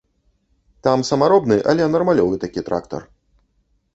Там самаробны, але нармалёвы такі трактар.